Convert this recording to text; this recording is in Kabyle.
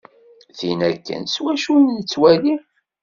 Tin akken s wacu i nettwali.